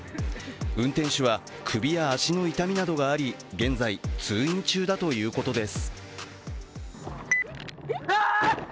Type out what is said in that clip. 運転手は首や足の痛みなどがあり現在、通院中だということです。